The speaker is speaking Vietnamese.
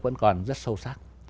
vẫn còn rất sâu sắc